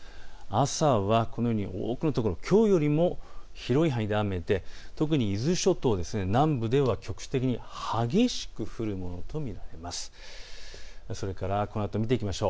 朝は多くの所、きょうよりも広い範囲で雨で特に伊豆諸島南部では局地的に激しく降るものと見られます。